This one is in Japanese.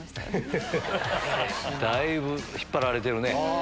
だいぶ引っ張られてるね。